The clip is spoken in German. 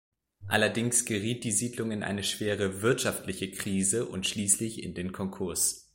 Allerdings geriet die Siedlung in eine schwere wirtschaftliche Krise und schließlich in den Konkurs.